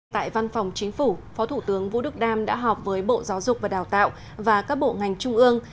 tại văn phòng chính phủ phó thủ tướng vũ đức đam đã họp với bộ giáo dục và đào tạo và các bộ ngành trung ương